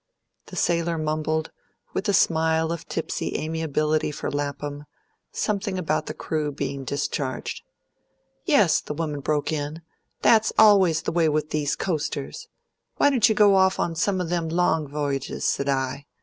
The sailor mumbled, with a smile of tipsy amiability for Lapham, something about the crew being discharged. "Yes," the woman broke in, "that's always the way with these coasters. Why don't you go off on some them long v'y'ges? s'd I.